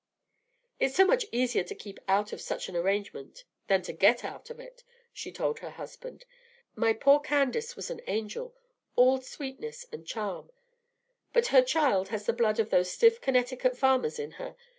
"It's so much easier to keep out of such an arrangement than to get out of it," she told her husband. "My poor Candace was an angel, all sweetness and charm; but her child has the blood of those stiff Connecticut farmers in her.